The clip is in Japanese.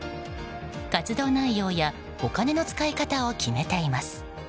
活動内容やお金の使い方を決めています。